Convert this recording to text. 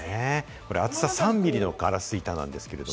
これ厚さ３ミリのガラス板なんですけれども。